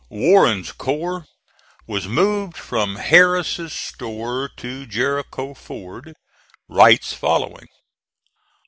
Warren's corps was moved from Harris's Store to Jericho Ford, Wright's following.